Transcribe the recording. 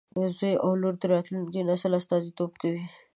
زوی او لور د راتلونکي نسل استازیتوب کوي.